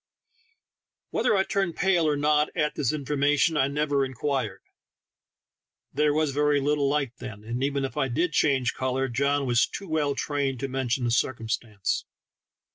Whether I turned pale or not at this information I never inquired ; there was very little light then, and even if I did change color, John was too well trained to mention the circumstance.